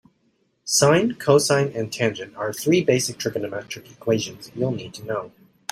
Sine, cosine and tangent are three basic trigonometric equations you'll need to know.